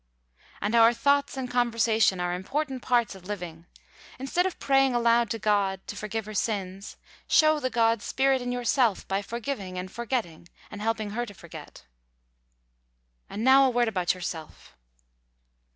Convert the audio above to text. And our thoughts and conversation are important parts of living. Instead of praying aloud to God to forgive her sins, show the God spirit in yourself by forgiving and forgetting and helping her to forget. And now a word about yourself.